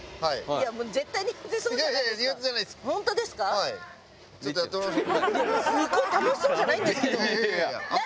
いやすごい楽しそうじゃないんですけど。